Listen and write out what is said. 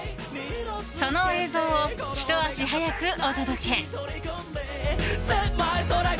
その映像をひと足早くお届け。